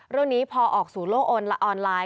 เรื่องนี้พอออกสู่โลกออนไลน์